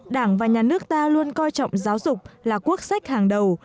đảng và nhà nước ta luôn coi trọng giáo dục là quốc sách hàng đầu